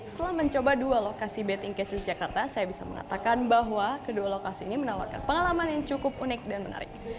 setelah mencoba dua lokasi betting case di jakarta saya bisa mengatakan bahwa kedua lokasi ini menawarkan pengalaman yang cukup unik dan menarik